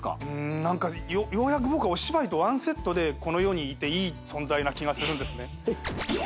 何かようやく僕はお芝居とワンセットでこの世にいていい存在な気がするんですね。